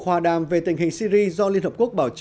hòa đàm về tình hình syri do liên hợp quốc bảo trợ